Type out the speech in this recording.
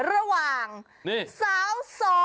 ระหว่างสาว๒